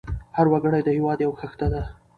هر وګړی د هېواد یو خښته ده.